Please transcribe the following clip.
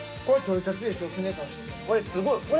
これすごい。